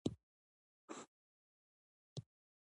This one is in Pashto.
احمد يې په يوه اخلي او په نيمه يې ورکوي.